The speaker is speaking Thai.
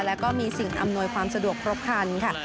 แล้วก็มีสิ่งอำนวยความสะดวกครบคันค่ะ